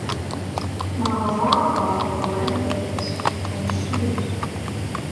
Maharaja (philanthropist) and Sri.